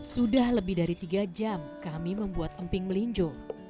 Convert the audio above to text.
sudah lebih dari tiga jam kami membuat emping melinjo